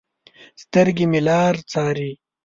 سترګې مې لار څارې